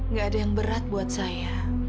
gak ada yang berat buat saya